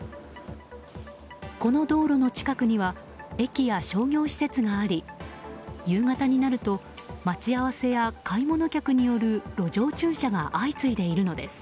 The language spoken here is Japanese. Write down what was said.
この道路の近くには駅や商業施設があり夕方になると、待ち合わせや買い物客による路上駐車が相次いでいるのです。